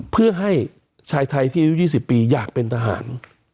เพื่อให้ชายไทยที่อายุ๒๐ปีอยากเป็นทหาร